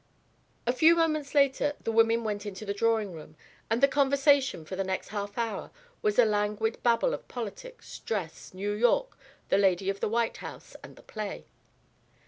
A few moments later the women went into the drawing room, and the conversation for the next half hour was a languid babble of politics, dress, New York, the lady of the White House, and the play.